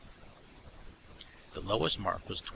The lowest mark was 23.